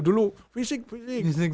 dulu fisik fisik